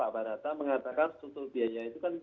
pak barata mengatakan struktur biaya itu kan